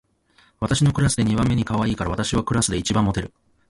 私はクラスで二番目にかわいいから、私はクラスで一番モテる